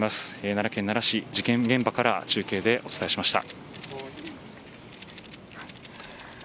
奈良県奈良市、事件現場から中継でお伝えしました。